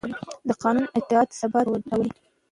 د قانون اطاعت ثبات راولي